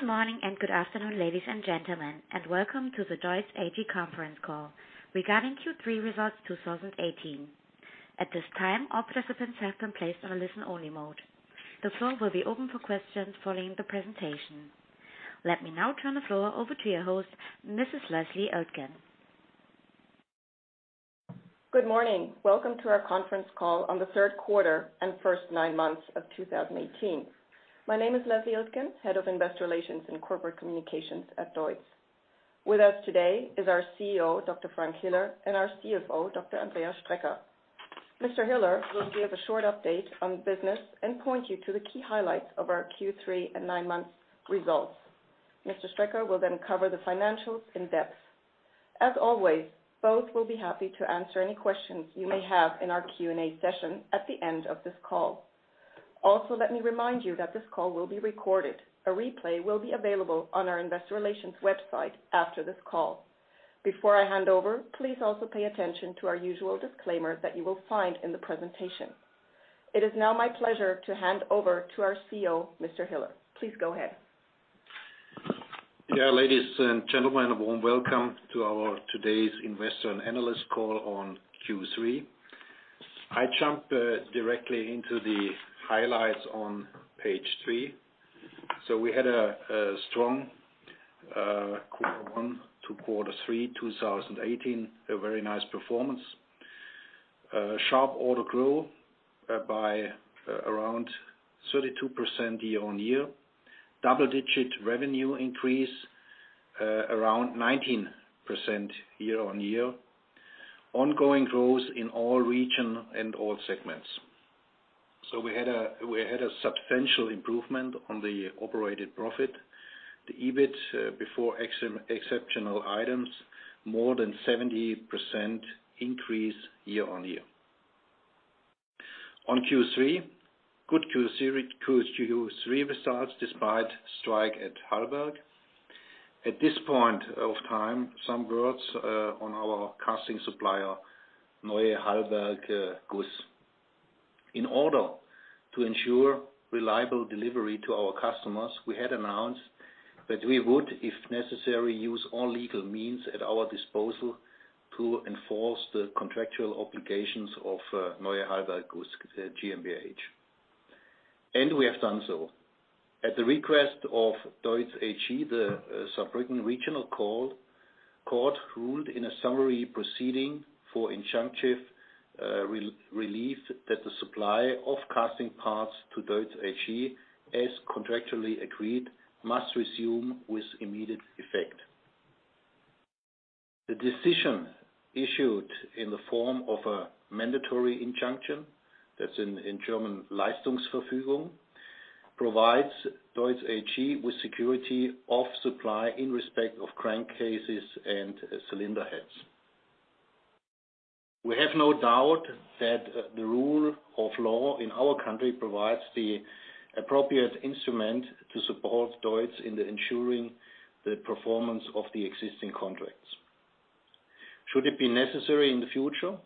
Good morning and good afternoon, ladies and gentlemen, and welcome to the DEUTZ AG conference call regarding Q3 results 2018. At this time, all participants have been placed on a listen-only mode. The floor will be open for questions following the presentation. Let me now turn the floor over to your host, Mrs. Leslie Iltgen. Good morning. Welcome to our conference call on the third quarter and first nine months of 2018. My name is Leslie Iltgen, Head of Investor Relations and Corporate Communications at DEUTZ. With us today is our CEO, Dr. Frank Hiller, and our CFO, Dr. Andreas Strecker. Mr. Hiller will give a short update on business and point you to the key highlights of our Q3 and nine-month results. Mr. Strecker will then cover the financials in depth. As always, both will be happy to answer any questions you may have in our Q&A session at the end of this call. Also, let me remind you that this call will be recorded. A replay will be available on our Investor Relations website after this call. Before I hand over, please also pay attention to our usual disclaimer that you will find in the presentation. It is now my pleasure to hand over to our CEO, Mr. Hiller. Please go ahead. Yeah, ladies and gentlemen, a warm welcome to our today's investor and analyst call on Q3. I jump directly into the highlights on page three. We had a strong Q1 to Q3 2018, a very nice performance. Sharp order growth by around 32% year on year, double-digit revenue increase around 19% year on year, ongoing growth in all regions and all segments. We had a substantial improvement on the operating profit, the EBIT before exceptional items, more than 70% increase year on year. On Q3, good Q3 results despite strike at Hallberg. At this point of time, some words on our casting supplier, Neue Hallberger Guss. In order to ensure reliable delivery to our customers, we had announced that we would, if necessary, use all legal means at our disposal to enforce the contractual obligations of Neue Hallberger Guss GmbH. We have done so. At the request of DEUTZ AG, the sub-regional court ruled in a summary proceeding for injunctive relief that the supply of casting parts to DEUTZ AG, as contractually agreed, must resume with immediate effect. The decision issued in the form of a mandatory injunction, that's in German Leistungsverfügung, provides DEUTZ AG with security of supply in respect of crankcases and cylinder heads. We have no doubt that the rule of law in our country provides the appropriate instrument to support DEUTZ in ensuring the performance of the existing contracts. Should it be necessary in the future,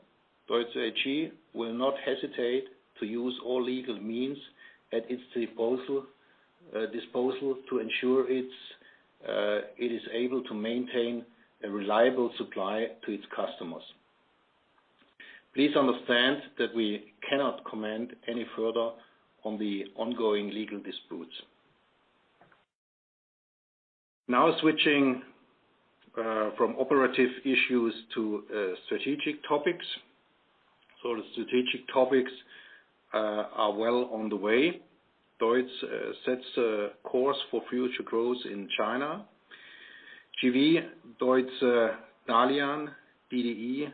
DEUTZ AG will not hesitate to use all legal means at its disposal to ensure it is able to maintain a reliable supply to its customers. Please understand that we cannot comment any further on the ongoing legal disputes. Now, switching from operative issues to strategic topics. The strategic topics are well on the way. DEUTZ sets a course for future growth in China. GV, DEUTZ Dalian, DDE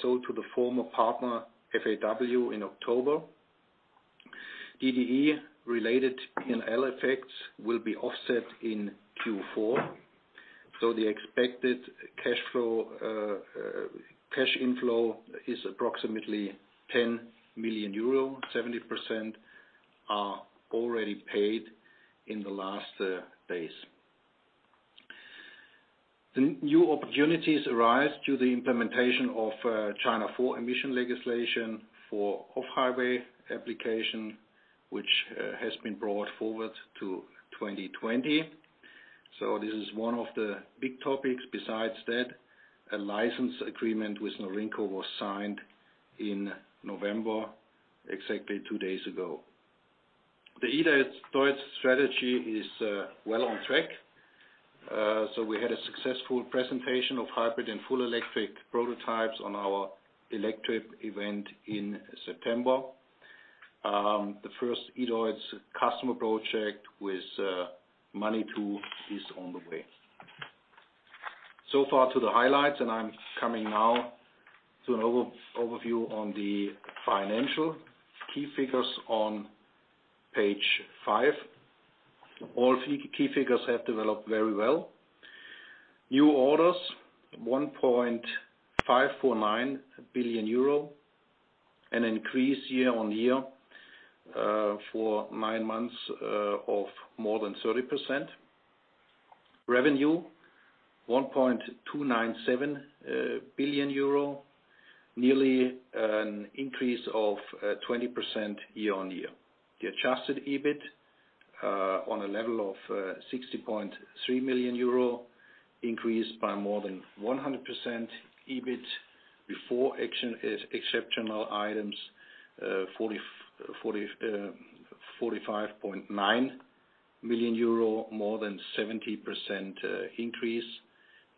sold to the former partner FAW in October. DDE related P&L effects will be offset in Q4. The expected cash inflow is approximately 10 million euro, 70% are already paid in the last days. New opportunities arise due to the implementation of China 4 emission legislation for off-highway application, which has been brought forward to 2020. This is one of the big topics. Besides that, a license agreement with Norinco was signed in November, exactly two days ago. The EDEUS DEUTZ strategy is well on track. We had a successful presentation of hybrid and full electric prototypes on our electric event in September. The first EDEUS customer project with money too is on the way. So far to the highlights, and I'm coming now to an overview on the financial key figures on page five. All key figures have developed very well. New orders, 1.549 billion euro, an increase year on year for nine months of more than 30%. Revenue, 1.297 billion euro, nearly an increase of 20% year on year. The adjusted EBIT on a level of 60.3 million euro, increased by more than 100%. EBIT before exceptional items, 45.9 million euro, more than 70% increase.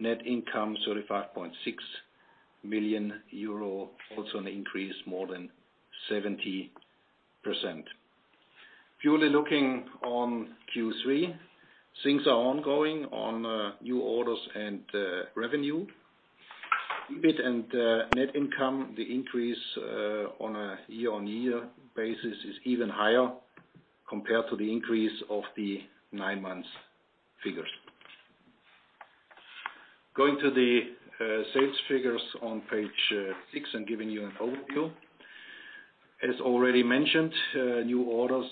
Net income, 35.6 million euro, also an increase more than 70%. Purely looking on Q3, things are ongoing on new orders and revenue. EBIT and net income, the increase on a year-on-year basis is even higher compared to the increase of the nine-month figures. Going to the sales figures on page six and giving you an overview. As already mentioned, new orders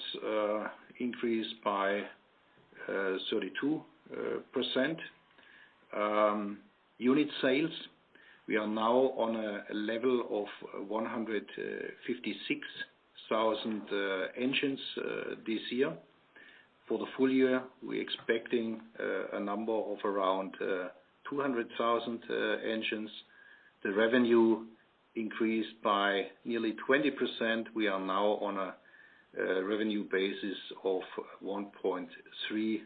increased by 32%. Unit sales, we are now on a level of 156,000 engines this year. For the full year, we are expecting a number of around 200,000 engines. The revenue increased by nearly 20%. We are now on a revenue basis of 1.3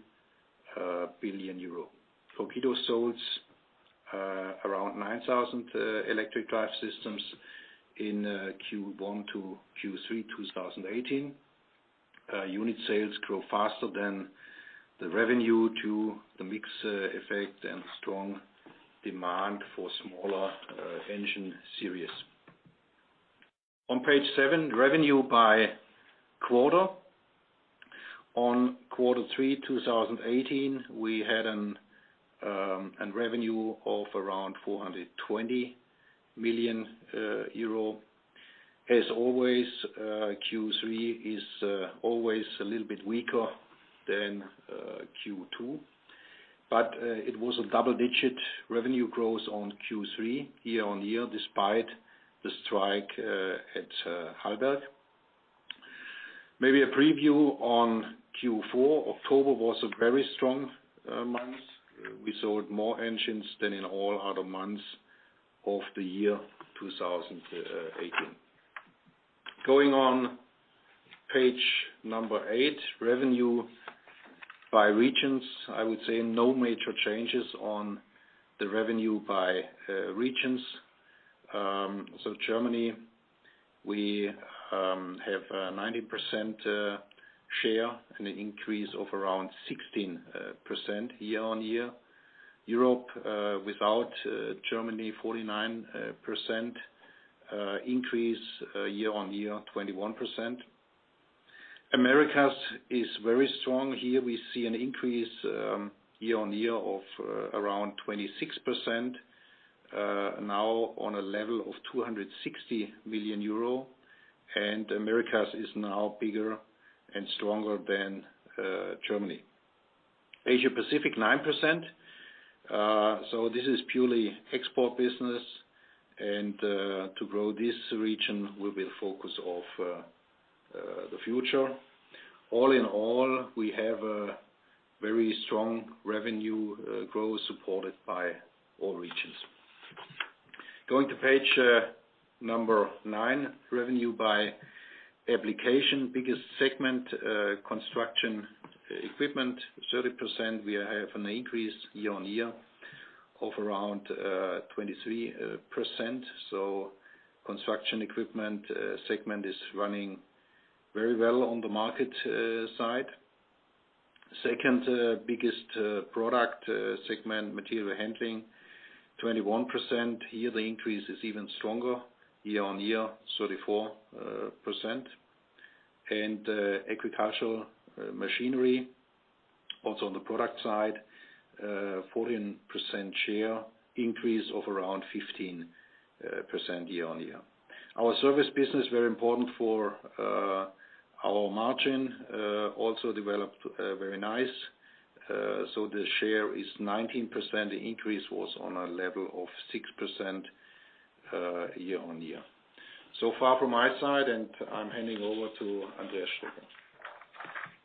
billion euro. Torqeedo sold around 9,000 electric drive systems in Q1 to Q3 2018. Unit sales grew faster than the revenue due to the mixed effect and strong demand for smaller engine series. On page seven, revenue by quarter. In quarter three 2018, we had a revenue of around 420 million euro. As always, Q3 is always a little bit weaker than Q2, but it was a double-digit revenue growth on Q3 year on year despite the strike at Hallberg. Maybe a preview on Q4, October was a very strong month. We sold more engines than in all other months of the year 2018. Going on page number eight, revenue by regions, I would say no major changes on the revenue by regions. Germany, we have a 90% share and an increase of around 16% year on year. Europe, without Germany, 49% increase year on year, 21%. America's is very strong here. We see an increase year on year of around 26%, now on a level of 260 million euro, and America's is now bigger and stronger than Germany. Asia Pacific, 9%. This is purely export business, and to grow this region, we will focus on the future. All in all, we have a very strong revenue growth supported by all regions. Going to page number nine, revenue by application, biggest segment, construction equipment, 30%. We have an increase year on year of around 23%. Construction equipment segment is running very well on the market side. Second biggest product segment, material handling, 21%. Here, the increase is even stronger year on year, 34%. Agricultural machinery, also on the product side, 14% share, increase of around 15% year on year. Our service business, very important for our margin, also developed very nice. The share is 19%. The increase was on a level of 6% year on year. Far from my side, and I'm handing over to Andrea Strecker.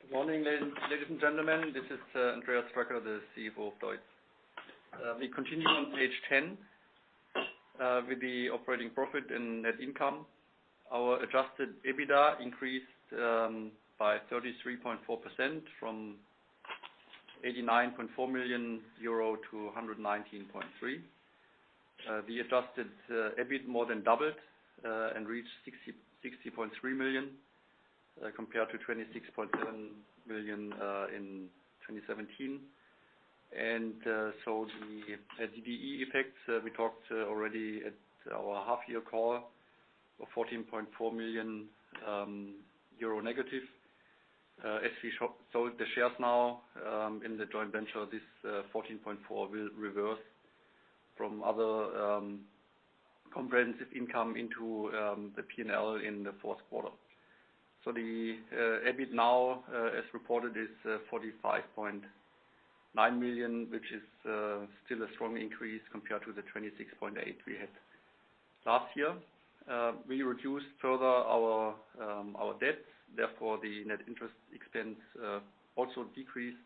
Good morning, ladies and gentlemen. This is Andreas Strecker, the CFO of DEUTZ. We continue on page 10 with the operating profit and net income. Our adjusted EBITDA increased by 33.4% from 89.4 million euro to 119.3 million. The adjusted EBIT more than doubled and reached 60.3 million compared to 26.7 million in 2017. The DDE effects, we talked already at our half-year call, 14.4 million euro negative. As we sold the shares now in the joint venture, this 14.4 million will reverse from other comprehensive income into the P&L in the fourth quarter. The EBIT now, as reported, is 45.9 million, which is still a strong increase compared to the 26.8 million we had last year. We reduced further our debts. Therefore, the net interest expense also decreased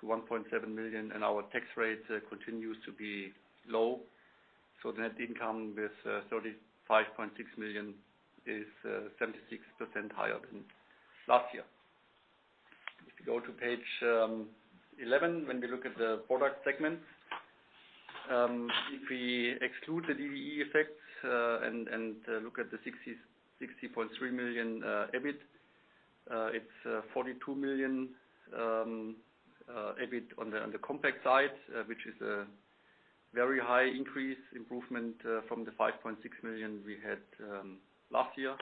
to 1.7 million, and our tax rate continues to be low. The net income with 35.6 million is 76% higher than last year. If you go to page 11, when we look at the product segments, if we exclude the DDE effects and look at the 60.3 million EBIT, it's 42 million EBIT on the compact side, which is a very high increase improvement from the 5.6 million we had last year.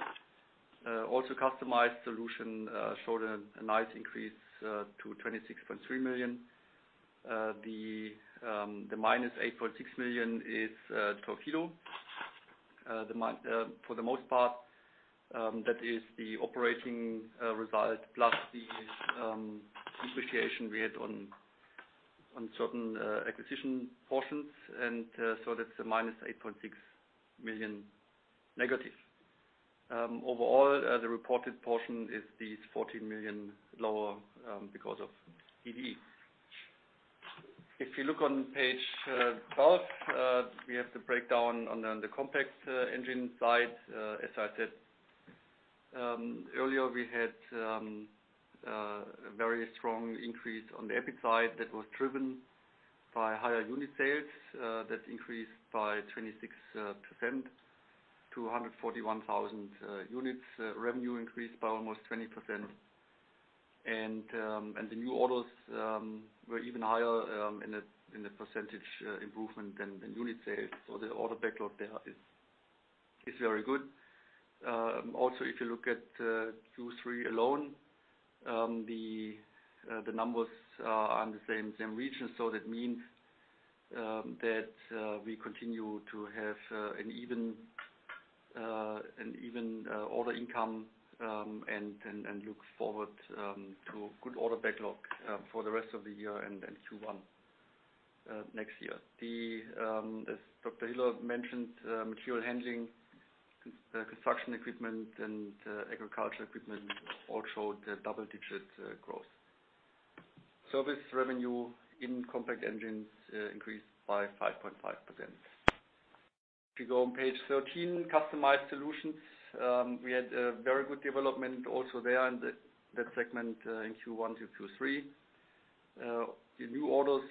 Also, customized solution showed a nice increase to 26.3 million. The minus 8.6 million is Torqeedo. For the most part, that is the operating result plus the depreciation we had on certain acquisition portions, and so that's a minus 8.6 million negative. Overall, the reported portion is these 14 million lower because of DDE. If you look on page 12, we have the breakdown on the compact engine side. As I said earlier, we had a very strong increase on the EBIT side that was driven by higher unit sales. That increased by 26% to 141,000 units. Revenue increased by almost 20%. The new orders were even higher in the percentage improvement than unit sales. The order backlog there is very good. Also, if you look at Q3 alone, the numbers are in the same region. That means that we continue to have an even order income and look forward to good order backlog for the rest of the year and Q1 next year. As Dr. Hiller mentioned, material handling, construction equipment, and agricultural equipment all showed double-digit growth. Service revenue in compact engines increased by 5.5%. If you go on page 13, customized solutions, we had a very good development also there in that segment in Q1 to Q3. The new orders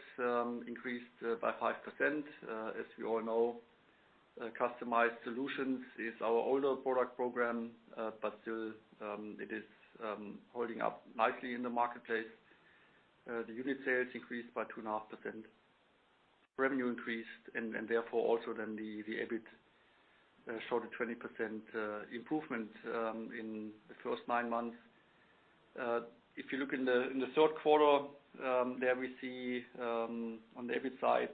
increased by 5%. As we all know, customized solutions is our older product program, but still it is holding up nicely in the marketplace. The unit sales increased by 2.5%. Revenue increased, and therefore also then the EBIT showed a 20% improvement in the first nine months. If you look in the third quarter, there we see on the EBIT side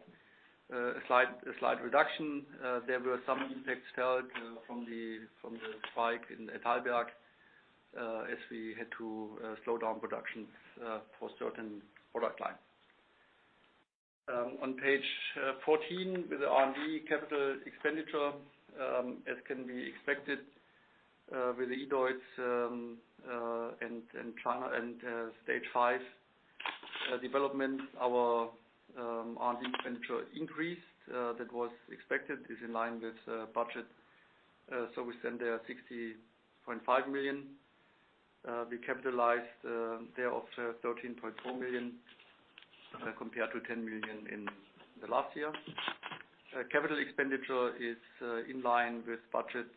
a slight reduction. There were some impacts felt from the spike at Hallberg as we had to slow down productions for certain product lines. On page 14, with the R&D capital expenditure, as can be expected with EDEUS and Stage V development, our R&D expenditure increased. That was expected, is in line with budget. We spend there 60.5 million. We capitalized there of 13.4 million compared to 10 million in the last year. Capital expenditure is in line with budget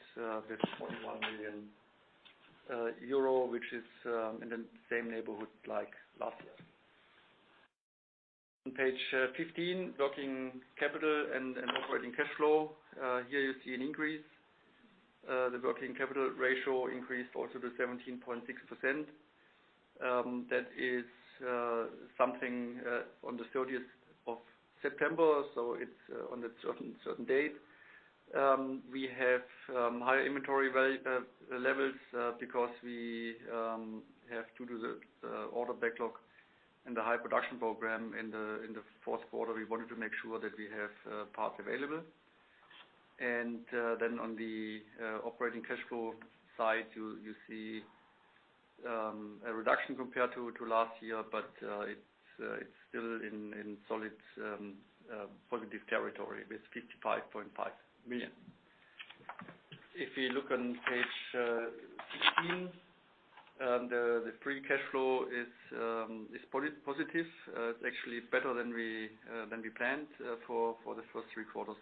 with 41 million euro, which is in the same neighborhood like last year. On page 15, working capital and operating cash flow. Here you see an increase. The working capital ratio increased also to 17.6%. That is something on the 30th of September, so it's on a certain date. We have higher inventory levels because we have to do the order backlog and the high production program in the fourth quarter. We wanted to make sure that we have parts available. On the operating cash flow side, you see a reduction compared to last year, but it's still in solid positive territory with 55.5 million. If you look on page 16, the free cash flow is positive. It's actually better than we planned for the first three quarters.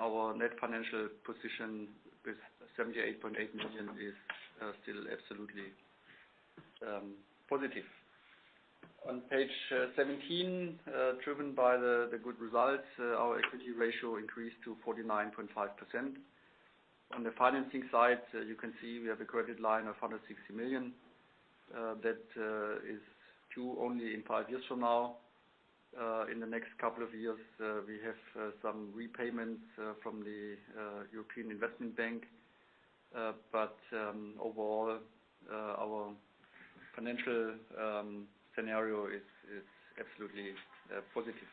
Our net financial position with 78.8 million is still absolutely positive. On page 17, driven by the good results, our equity ratio increased to 49.5%. On the financing side, you can see we have a credit line of 160 million. That is due only in five years from now. In the next couple of years, we have some repayments from the European Investment Bank, but overall, our financial scenario is absolutely positive.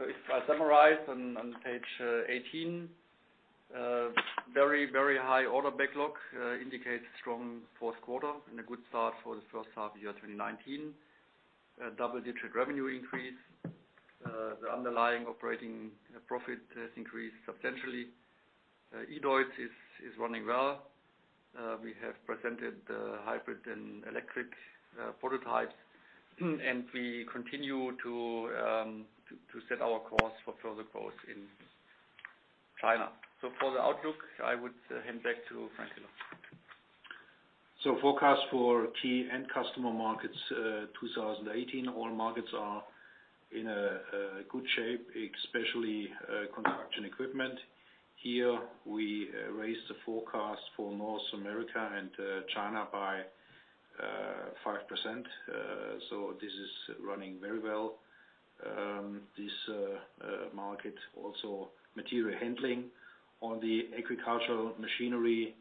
If I summarize on page 18, very, very high order backlog indicates strong fourth quarter and a good start for the first half year 2019. Double-digit revenue increase. The underlying operating profit has increased substantially. EDEUS is running well. We have presented the hybrid and electric prototypes, and we continue to set our course for further growth in China. For the outlook, I would hand back to Frank Hiller. Forecast for key end customer markets 2018, all markets are in good shape, especially construction equipment. Here, we raised the forecast for North America and China by 5%. This is running very well. This market also material handling. On the agricultural machinery,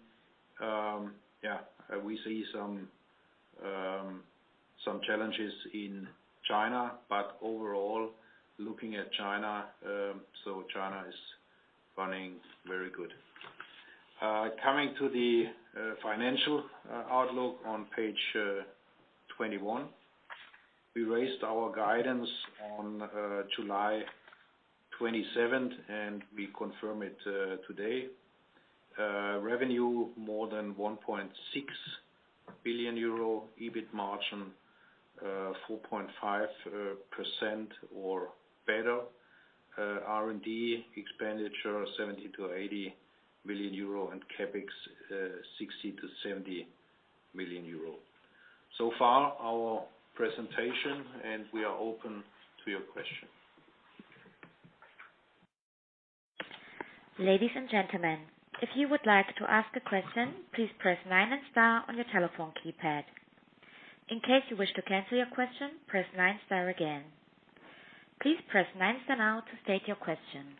yeah, we see some challenges in China, but overall, looking at China, China is running very good. Coming to the financial outlook on page 21, we raised our guidance on July 27, 2018, and we confirm it today. Revenue more than 1.6 billion euro, EBIT margin 4.5% or better. R&D expenditure 70-80 million euro and CapEx 60-70 million euro. So far, our presentation, and we are open to your question. Ladies and gentlemen, if you would like to ask a question, please press nine and star on your telephone keypad. In case you wish to cancel your question, press nine star again. Please press nine star now to state your question.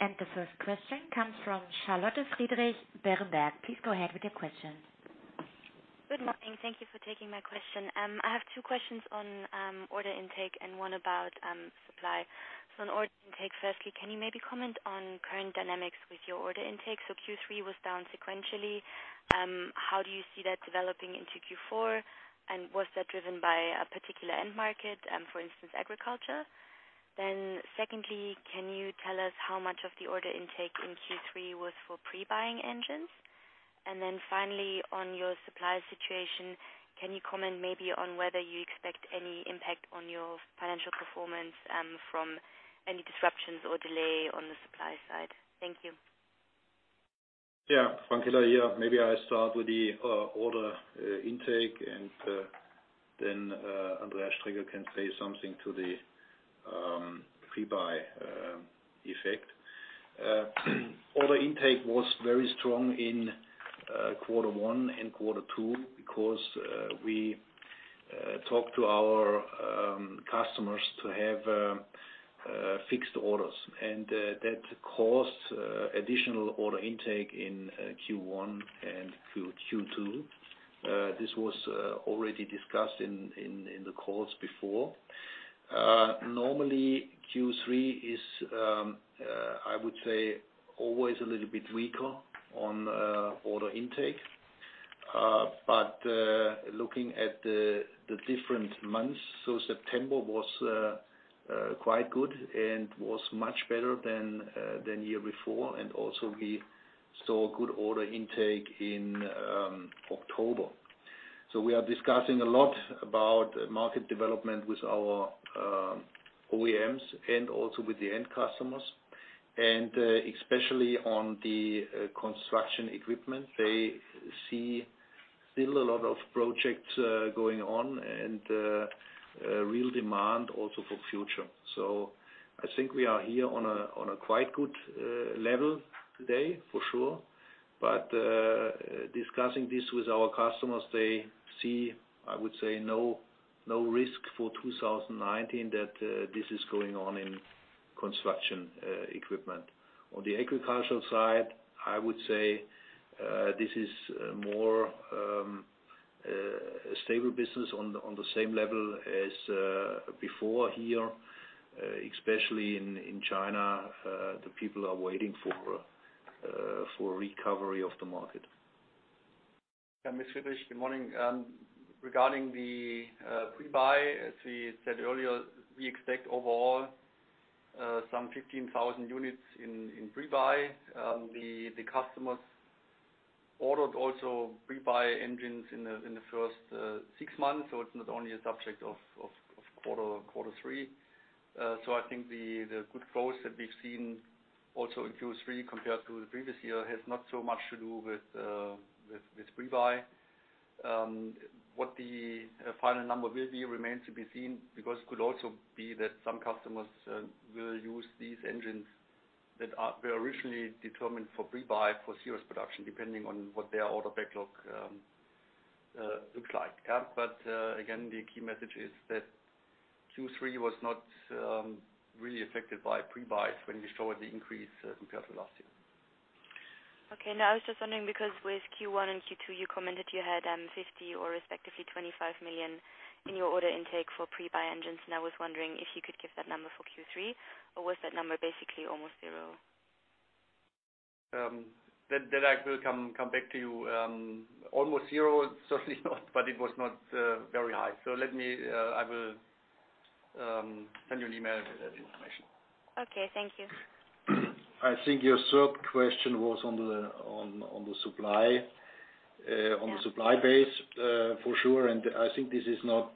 The first question comes from Charlotte Friedrich Berenberg. Please go ahead with your question. Good morning. Thank you for taking my question. I have two questions on order intake and one about supply. On order intake, firstly, can you maybe comment on current dynamics with your order intake? Q3 was down sequentially. How do you see that developing into Q4? Was that driven by a particular end market, for instance, agriculture? Secondly, can you tell us how much of the order intake in Q3 was for pre-buying engines? Finally, on your supply situation, can you comment maybe on whether you expect any impact on your financial performance from any disruptions or delay on the supply side? Thank you. Yeah, Frank Hiller here. Maybe I start with the order intake, and then Andreas Strecker can say something to the pre-buy effect. Order intake was very strong in quarter one and quarter two because we talked to our customers to have fixed orders. That caused additional order intake in Q1 and Q2. This was already discussed in the calls before. Normally, Q3 is, I would say, always a little bit weaker on order intake. Looking at the different months, September was quite good and was much better than year before. Also, we saw good order intake in October. We are discussing a lot about market development with our OEMs and also with the end customers. Especially on the construction equipment, they see still a lot of projects going on and real demand also for future. I think we are here on a quite good level today, for sure. Discussing this with our customers, they see, I would say, no risk for 2019 that this is going on in construction equipment. On the agricultural side, I would say this is more a stable business on the same level as before here, especially in China. The people are waiting for recovery of the market. Mr. Friedrich, good morning. Regarding the pre-buy, as we said earlier, we expect overall some 15,000 units in pre-buy. The customers ordered also pre-buy engines in the first six months, so it is not only a subject of quarter three. I think the good growth that we have seen also in Q3 compared to the previous year has not so much to do with pre-buy. What the final number will be remains to be seen because it could also be that some customers will use these engines that were originally determined for pre-buy for serious production, depending on what their order backlog looks like. Again, the key message is that Q3 was not really affected by pre-buys when we showed the increase compared to last year. Okay. No, I was just wondering because with Q1 and Q2, you commented you had 50 million or respectively 25 million in your order intake for pre-buy engines. I was wondering if you could give that number for Q3, or was that number basically almost zero? That I will come back to you. Almost zero, certainly not, but it was not very high. I will send you an email with that information. Okay. Thank you. I think your third question was on the supply base, for sure. I think this is not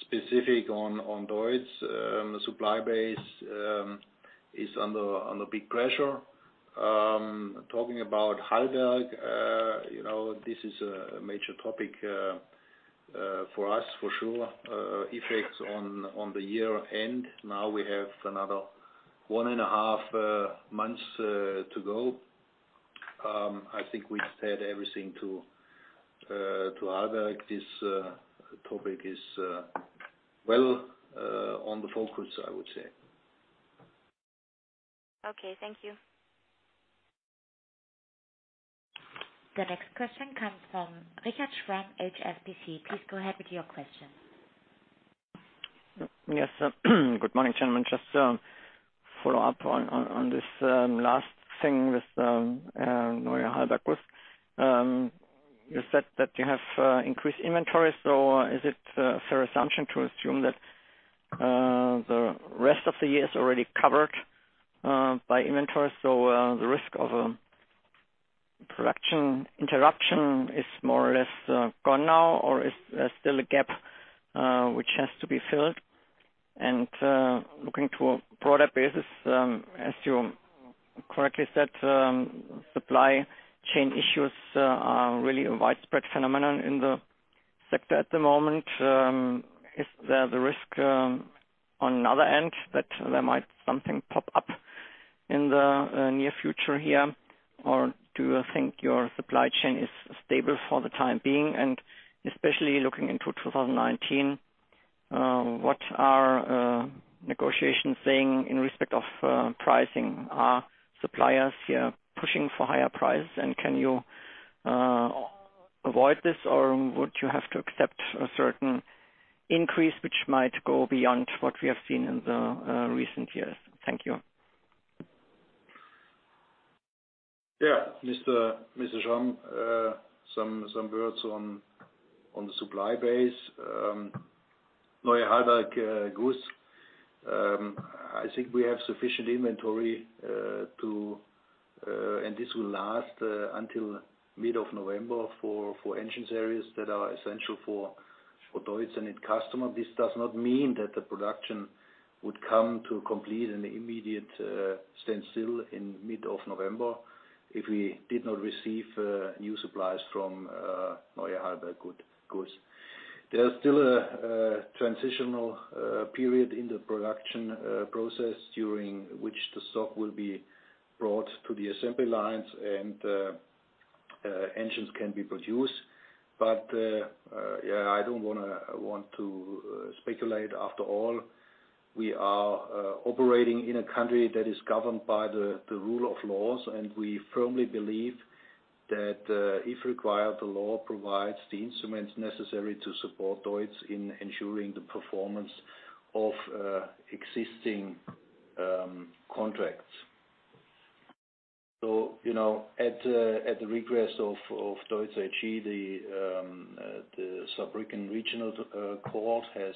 specific on DEUTZ. The supply base is under big pressure. Talking about Hallberger, this is a major topic for us, for sure. Effects on the year end. Now we have another one and a half months to go. I think we've said everything to Hallberger. This topic is well on the focus, I would say. Okay. Thank you. The next question comes from Richard Schramm, Berenberg. Please go ahead with your question. Yes. Good morning, gentlemen. Just to follow up on this last thing with Neue Hallberger Guss. You said that you have increased inventory. Is it a fair assumption to assume that the rest of the year is already covered by inventory? The risk of production interruption is more or less gone now, or is there still a gap which has to be filled? Looking to a broader basis, as you correctly said, supply chain issues are really a widespread phenomenon in the sector at the moment. Is there the risk on the other end that there might be something pop up in the near future here? Do you think your supply chain is stable for the time being? Especially looking into 2019, what are negotiations saying in respect of pricing? Are suppliers here pushing for higher prices? Can you avoid this, or would you have to accept a certain increase which might go beyond what we have seen in the recent years? Thank you. Yeah. Mr. Schramm, some words on the supply base. Neue Hallberger Guss, I think we have sufficient inventory to, and this will last until mid of November for engine series that are essential for DEUTZ and its customer. This does not mean that the production would come to a complete and immediate standstill in mid of November if we did not receive new supplies from Neue Hallberger Guss. There is still a transitional period in the production process during which the stock will be brought to the assembly lines and engines can be produced. Yeah, I do not want to speculate. After all, we are operating in a country that is governed by the rule of laws, and we firmly believe that if required, the law provides the instruments necessary to support DEUTZ in ensuring the performance of existing contracts. At the request of DEUTZ, the South African Regional Court has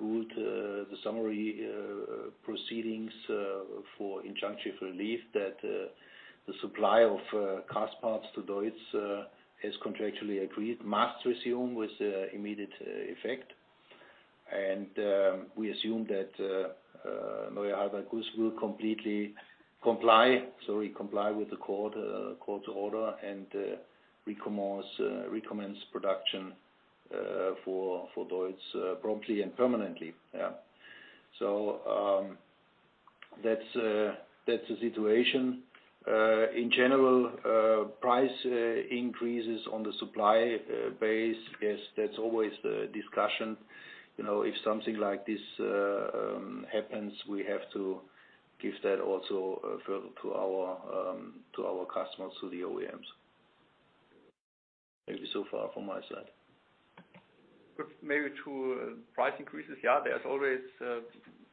ruled in the summary proceedings for injunctive relief that the supply of cast parts to DEUTZ as contractually agreed must resume with immediate effect. We assume that Neue Hallberger Guss will completely comply with the court's order and recommence production for DEUTZ promptly and permanently. Yeah. That is the situation. In general, price increases on the supply base, yes, that is always the discussion. If something like this happens, we have to give that also to our customers, to the OEMs. Maybe so far from my side. Maybe to price increases, yeah, there's always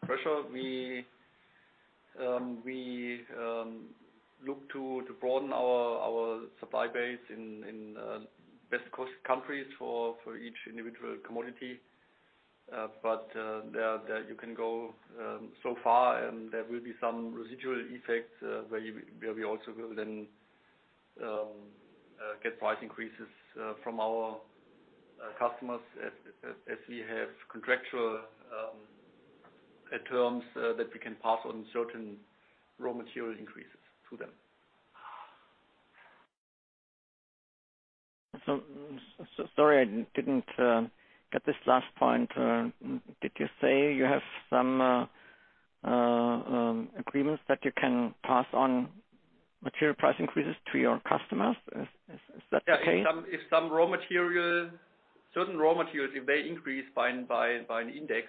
pressure. We look to broaden our supply base in best cost countries for each individual commodity. You can go so far, and there will be some residual effects where we also will then get price increases from our customers as we have contractual terms that we can pass on certain raw material increases to them. Sorry, I didn't get this last point. Did you say you have some agreements that you can pass on material price increases to your customers? Is that the case? If some raw material, certain raw materials, if they increase by an index,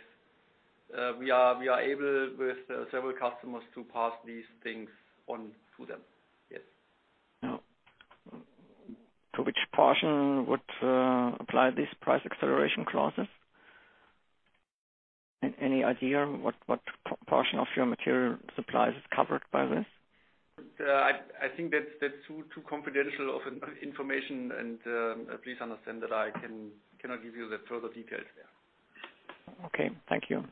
we are able with several customers to pass these things on to them. Yes. To which portion would apply these price acceleration clauses? Any idea what portion of your material supplies is covered by this? I think that's too confidential of information, and please understand that I cannot give you the further details there. Okay. Thank you.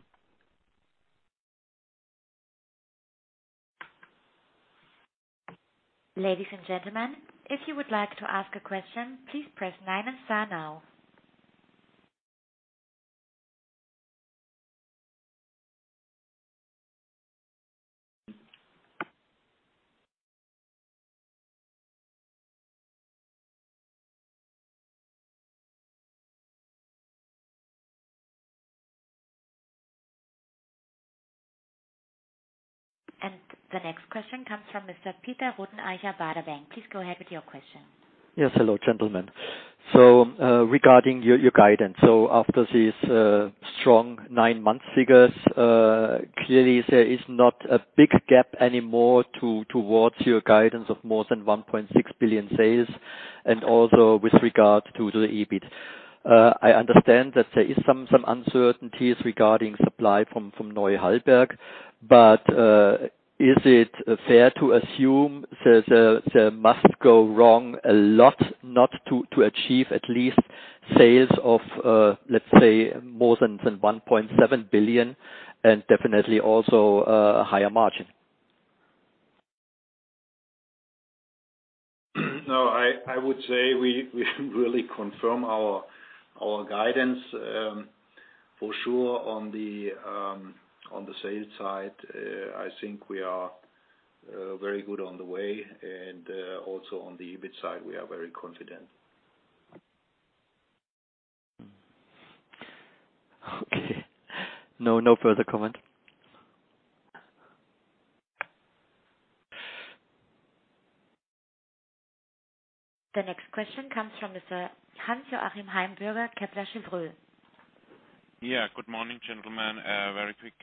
Ladies and gentlemen, if you would like to ask a question, please press nine and star now. The next question comes from Mr. Peter Rodenicher, Baden-Bank. Please go ahead with your question. Yes. Hello, gentlemen. Regarding your guidance, after these strong nine-month figures, clearly, there is not a big gap anymore towards your guidance of more than 1.6 billion sales. Also with regard to the EBIT, I understand that there is some uncertainty regarding supply from Neue Hallberger Guss. Is it fair to assume there must go wrong a lot not to achieve at least sales of, let's say, more than 1.7 billion and definitely also a higher margin? No, I would say we really confirm our guidance for sure on the sales side. I think we are very good on the way. Also on the EBIT side, we are very confident. Okay. No further comment. The next question comes from Mr. Hans-Joachim Heimburger, Kepler Schulte. Yeah. Good morning, gentlemen. Very quick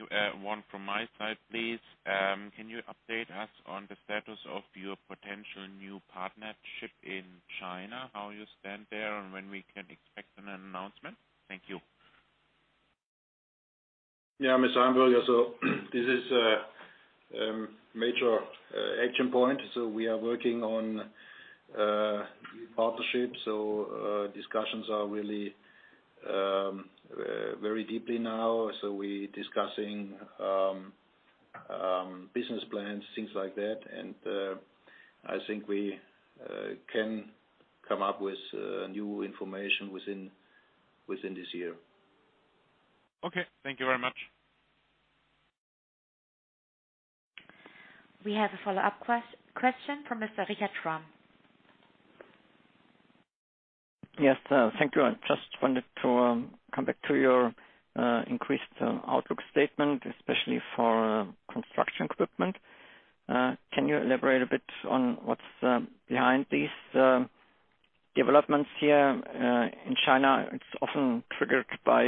one from my side, please. Can you update us on the status of your potential new partnership in China, how you stand there, and when we can expect an announcement? Thank you. Yeah, Mr. Heimburger, this is a major action point. We are working on new partnerships. Discussions are really very deeply now. We are discussing business plans, things like that. I think we can come up with new information within this year. Okay. Thank you very much. We have a follow-up question from Mr. Richard Schramm. Yes. Thank you. I just wanted to come back to your increased outlook statement, especially for construction equipment. Can you elaborate a bit on what's behind these developments here in China? It's often triggered by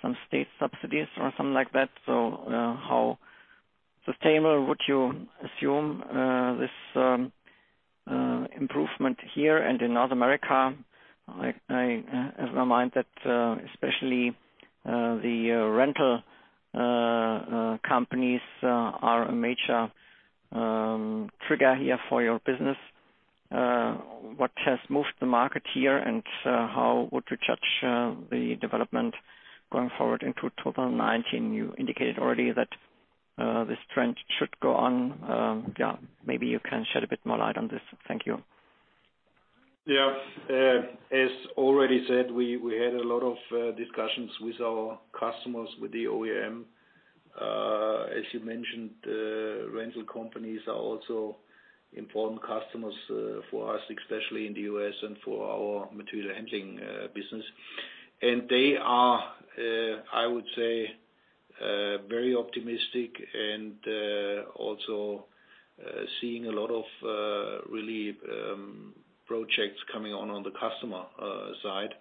some state subsidies or something like that. How sustainable would you assume this improvement here and in North America? I have in my mind that especially the rental companies are a major trigger here for your business. What has moved the market here, and how would you judge the development going forward into 2019? You indicated already that this trend should go on. Maybe you can shed a bit more light on this. Thank you. Yeah. As already said, we had a lot of discussions with our customers, with the OEM. As you mentioned, rental companies are also important customers for us, especially in the U.S. and for our material handling business. They are, I would say, very optimistic and also seeing a lot of really projects coming on the customer side.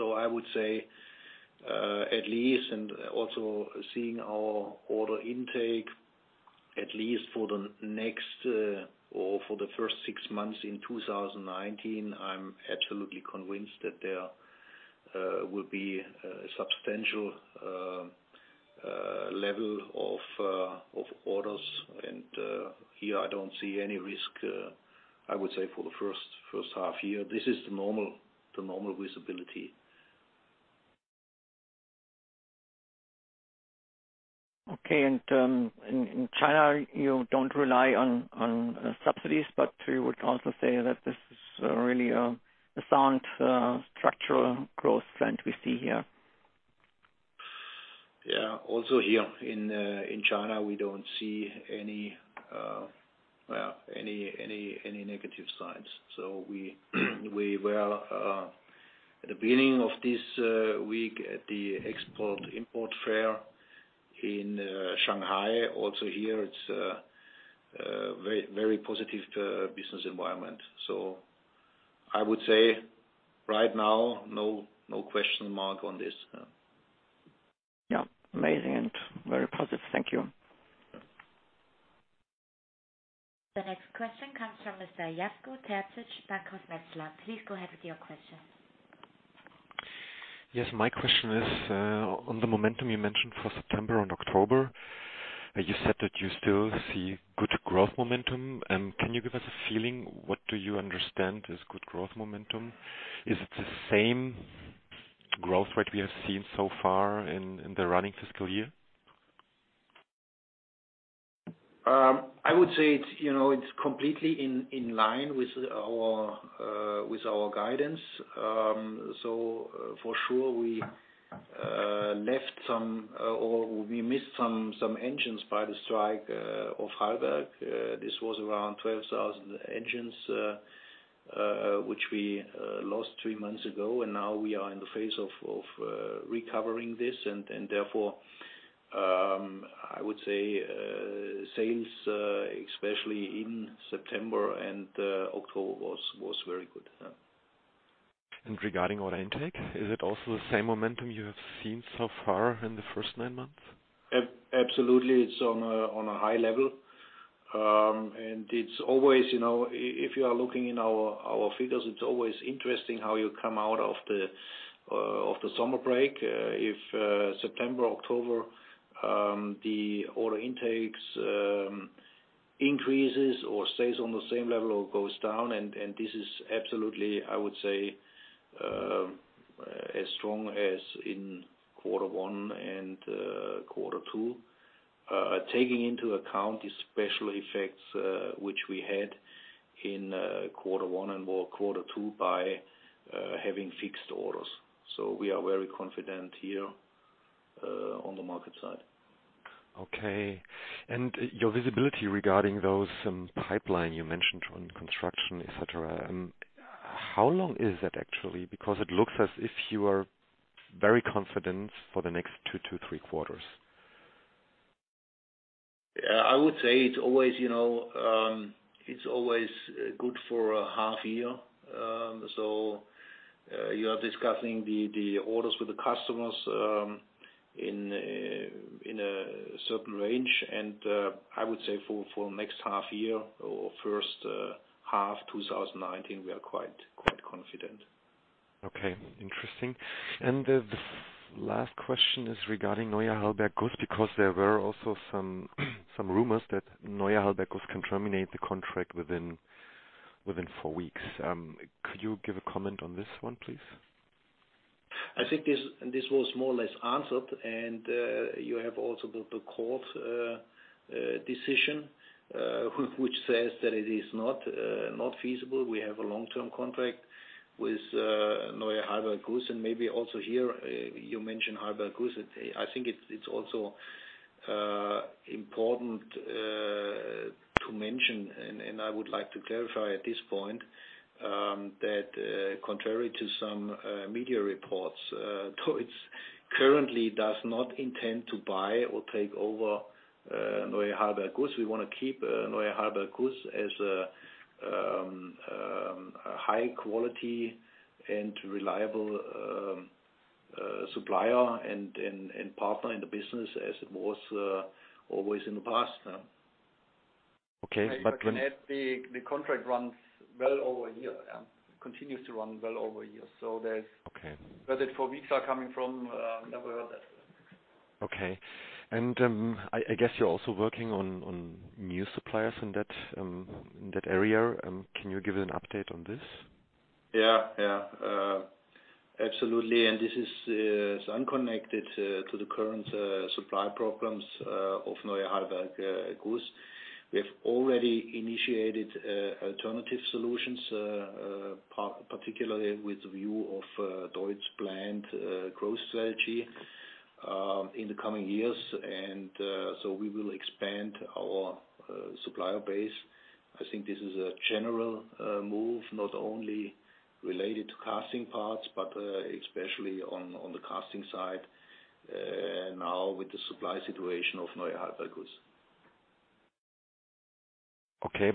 I would say at least, and also seeing our order intake, at least for the next or for the first six months in 2019, I'm absolutely convinced that there will be a substantial level of orders. Here, I do not see any risk, I would say, for the first half year. This is the normal visibility. Okay. In China, you do not rely on subsidies, but you would also say that this is really a sound structural growth trend we see here. Yeah. Also here in China, we do not see any negative signs. We were at the beginning of this week at the export-import fair in Shanghai. Also here, it is a very positive business environment. I would say right now, no question mark on this. Yeah. Amazing and very positive. Thank you. The next question comes from Mr. Yasko Tertic, Bank of Switzerland. Please go ahead with your question. Yes. My question is, on the momentum you mentioned for September and October, you said that you still see good growth momentum. Can you give us a feeling? What do you understand is good growth momentum? Is it the same growth rate we have seen so far in the running fiscal year? I would say it's completely in line with our guidance. For sure, we left some or we missed some engines by the strike of Hallberg. This was around 12,000 engines which we lost three months ago. Now we are in the phase of recovering this. Therefore, I would say sales, especially in September and October, was very good. Regarding order intake, is it also the same momentum you have seen so far in the first nine months? Absolutely. It is on a high level. It is always, if you are looking in our figures, it is always interesting how you come out of the summer break. If September, October, the order intakes increase or stay on the same level or go down. This is absolutely, I would say, as strong as in quarter one and quarter two, taking into account the special effects which we had in quarter one and quarter two by having fixed orders. We are very confident here on the market side. Okay. Your visibility regarding those pipeline you mentioned on construction, etc., how long is that actually? Because it looks as if you are very confident for the next two, two, three quarters. Yeah. I would say it's always good for a half year. You are discussing the orders with the customers in a certain range. I would say for the next half year or first half 2019, we are quite confident. Okay. Interesting. The last question is regarding Neue Hallberger Guss, because there were also some rumors that Neue Hallberger Guss was going to terminate the contract within four weeks. Could you give a comment on this one, please? I think this was more or less answered. You have also the court decision which says that it is not feasible. We have a long-term contract with Neue Hallberger Guss. Maybe also here, you mentioned Hallberger Guss. I think it is also important to mention, and I would like to clarify at this point that contrary to some media reports, DEUTZ currently does not intend to buy or take over Neue Hallberger Guss. We want to keep Neue Hallberger Guss as a high-quality and reliable supplier and partner in the business as it was always in the past. Okay. When. The contract runs well over a year. It continues to run well over a year. There's budget for weeks are coming from. Never heard that. Okay. I guess you're also working on new suppliers in that area. Can you give an update on this? Yeah. Yeah. Absolutely. This is unconnected to the current supply problems of Neue Hallberger Guss. We have already initiated alternative solutions, particularly with the view of DEUTZ's planned growth strategy in the coming years. We will expand our supplier base. I think this is a general move, not only related to casting parts, but especially on the casting side now with the supply situation of Neue Hallberger Guss. Okay.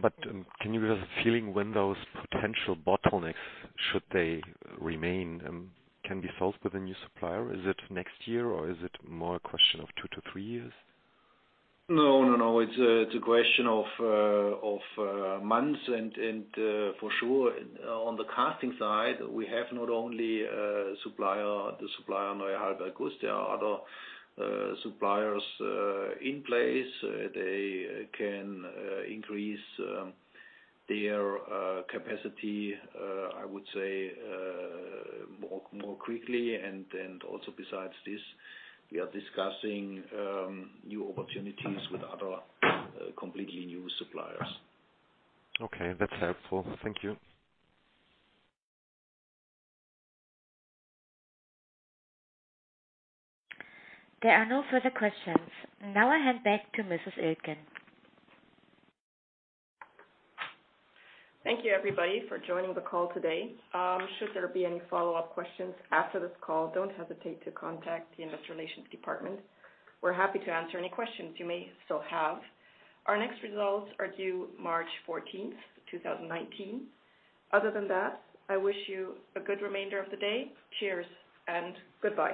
Can you give us a feeling when those potential bottlenecks, should they remain, can be solved with a new supplier? Is it next year, or is it more a question of two to three years? No, no, no. It's a question of months. For sure, on the casting side, we have not only the supplier Neue Hallberger Guss. There are other suppliers in place. They can increase their capacity, I would say, more quickly. Also, besides this, we are discussing new opportunities with other completely new suppliers. Okay. That's helpful. Thank you. There are no further questions. Now I hand back to Mrs. Iltgen. Thank you, everybody, for joining the call today. Should there be any follow-up questions after this call, do not hesitate to contact the investor relations department. We are happy to answer any questions you may still have. Our next results are due March 14, 2019. Other than that, I wish you a good remainder of the day. Cheers and goodbye.